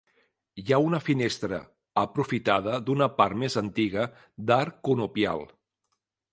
Hi ha una finestra aprofitada d'una part més antiga, d'arc conopial.